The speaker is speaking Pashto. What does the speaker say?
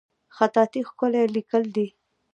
خطاطي ښکلی لیکل دي